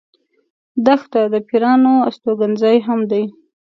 دښته د پېرانو استوګن ځای هم دی.